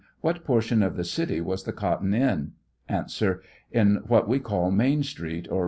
What portion of the city was the cotton in ? A. On what we call Main street, or.